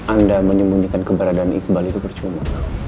anda menyembunyikan keberadaan iqbal itu percuma